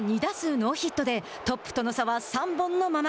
ノーヒットでトップとの差は３本のまま。